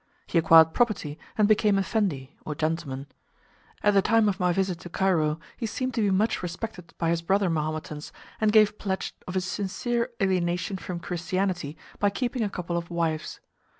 He acquired property, and became effendi, or gentleman. At the time of my visit to Cairo he seemed to be much respected by his brother Mahometans, and gave pledge of his sincere alienation from Christianity by keeping a couple of wives.